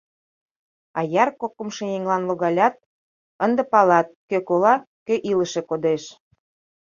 Аяр кокымшо еҥлан логалят, ынде палат: кӧ кола, кӧ илыше кодеш.